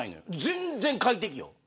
全然、快適よ。